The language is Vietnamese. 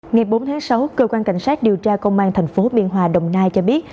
ngày bốn tháng sáu cơ quan cảnh sát điều tra công an thành phố biên hòa đồng nai cho biết